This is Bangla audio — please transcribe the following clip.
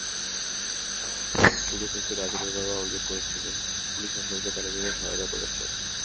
শুরু থেকেই রাজনের বাবা অভিযোগ করছিলেন, পুলিশ আসামিদের পালিয়ে যেতে সহায়তা করছে।